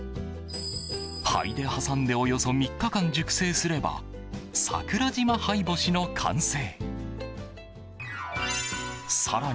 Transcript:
灰で挟んでおよそ３日間熟成すれば桜島灰干しの完成。